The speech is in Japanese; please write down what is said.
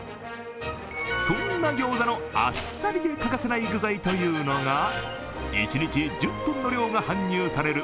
そんな餃子の、あっさりで欠かせない具材というのが一日１０ｔの量が搬入される